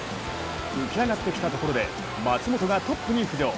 浮き上がってきたところで松元がトップに浮上。